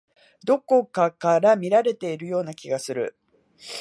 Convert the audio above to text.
どこかから見られているような気がする。